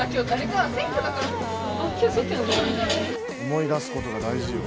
思い出すことが大事よ。